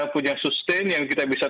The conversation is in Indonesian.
punya sustain yang kita bisa